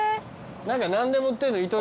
何か何でも売ってんの。